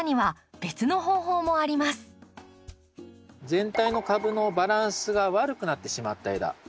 全体の株のバランスが悪くなってしまった枝。